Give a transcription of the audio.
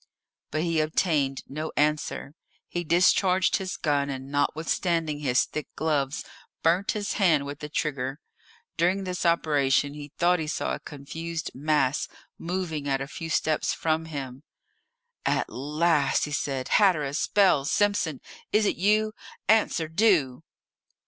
But he obtained no answer; he discharged his gun, and notwithstanding his thick gloves, burnt his hand with the trigger. During this operation he thought he saw a confused mass moving at a few steps from him. "At last!" said he. "Hatteras! Bell! Simpson! Is it you? Answer, do!"